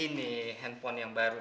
ini handphone yang baru